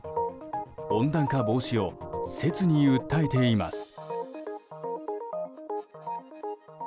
温暖化防止を切に訴えています。